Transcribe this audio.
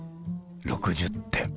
６０点。